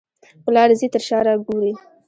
په لاره ځې تر شا را ګورې.